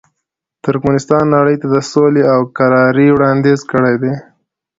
ترکمنستان نړۍ ته د سولې او کرارۍ وړاندیز کړی دی.